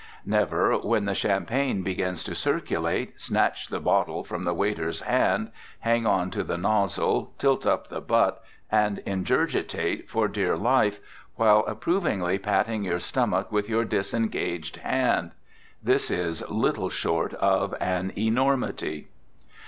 Never, when the champagne begins to circulate, snatch the bottle from the waiter's hand, hang on to the nozzle, tilt up the butt, and ingurgitate for dear life, while approvingly patting your stomach with your disengaged hand. This is little short of an enormity.